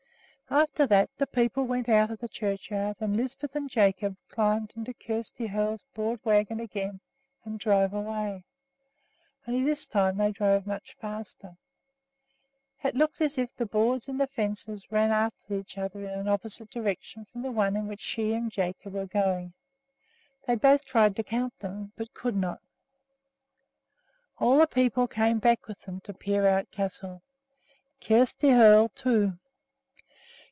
After that the people went out of the churchyard, and Lisbeth and Jacob climbed into Kjersti Hoel's broad wagon again and drove away, only this time they drove much faster. It looked as if the boards in the fences ran after each other in an opposite direction from the one in which she and Jacob were going. They both tried to count them, but could not. All the people came back with them to Peerout Castle, Kjersti Hoel, too.